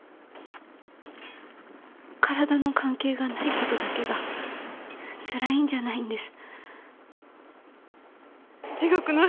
体の関係がないことだけがつらいんじゃないです。